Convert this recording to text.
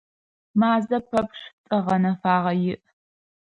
Мазэ пэпчъ цӏэ гъэнэфагъэ иӏ.